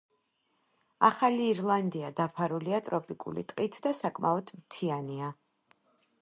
ახალი ირლანდია დაფარულია ტროპიკული ტყით და საკმაოდ მთიანია.